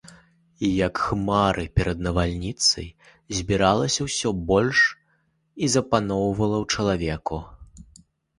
І як хмары перад навальніцай збіралася ўсё больш і запаноўвала ў чалавеку.